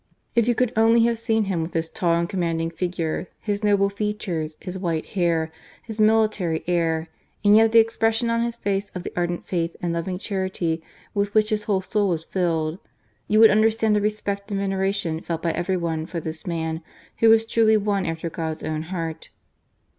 If you could only have seen him, with his tall and com manding figure, his noble features, his white hair, his military air, and yet the expression on his face of the ardent faith and loving charity with which his whole soul was filled, you would understand the respect and veneration felt by every one for this man, who was truly one after God's own heart.